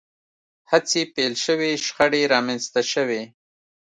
هڅې پیل شوې شخړې رامنځته شوې